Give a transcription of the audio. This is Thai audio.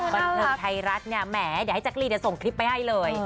บันเทิงไทยรัฐเนี่ยแหมเดี๋ยวให้แจ๊กรีนส่งคลิปไปให้เลย